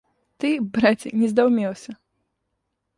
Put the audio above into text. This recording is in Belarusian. Ты, браце, не здаўмеўся.